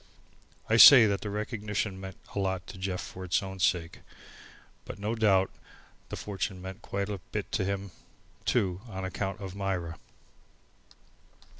I say that the recognition meant a lot to Jeff for its own sake. But no doubt the fortune meant quite a bit to him too on account of Myra.